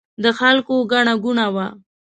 د خلکو ګڼه ګوڼه وه.